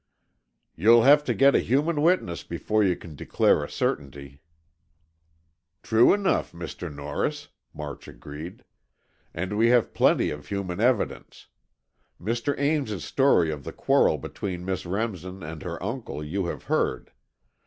"You'll have to get a human witness before you can declare a certainty." "True enough, Mr. Norris," March agreed. "And we have plenty of human evidence. Mr. Ames's story of the quarrel between Miss Remsen and her uncle, you have heard.